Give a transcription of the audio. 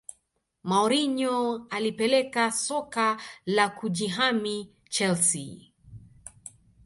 Mourinho alipeleka soka la kujihami chelsea